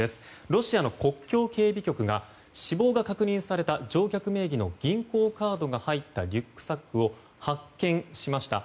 ロシアの国境警備局が死亡が確認された乗客名義の銀行カードが入ったリュックサックを発見しました。